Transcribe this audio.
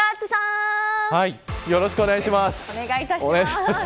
よろしくお願いします。